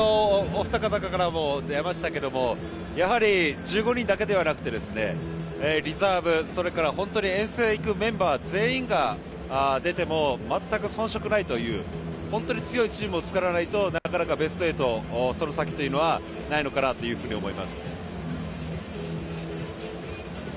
お二方からも出ましたけどもやはり１５人だけではなくてリザーブ遠征に行くメンバー全員が出ても全く遜色ないというチームを作らないと、なかなかベスト８のその先というのはないのかなと思います。